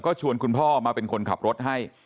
ก็ชวนคุณพ่อมาเป็นคนขับรถให้